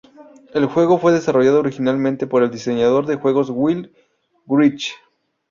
El juego fue desarrollado originalmente por el diseñador de juegos Will Wright.